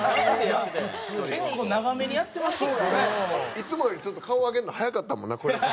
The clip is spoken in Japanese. いつもよりちょっと顔上げるの早かったもんな。